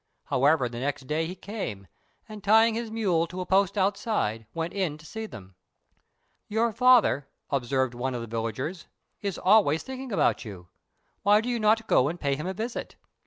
However, the next day he came, and, tying his mule to a post outside, went in to see them. "Your father," observed one of the villagers, "is always thinking about you. Why do you not go and pay him a visit?"